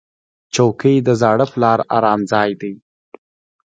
چوکۍ د زاړه پلار ارام ځای دی.